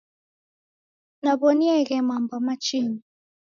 Naw'onieghe mamba machinyi.